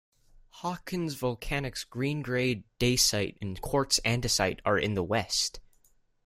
Hawkins volcanics green grey dacite and quartz andesite are in the west.